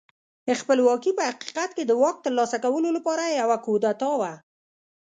خپلواکي په حقیقت کې د واک ترلاسه کولو لپاره یوه کودتا وه.